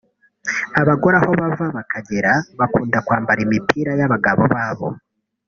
Abagore aho bava bakagera bakunda kwambara imipira y’abagabo baba